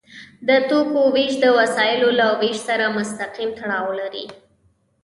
د توکو ویش د وسایلو له ویش سره مستقیم تړاو لري.